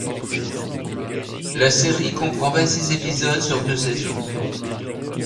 La série comprend vingt-six épisodes sur deux saisons.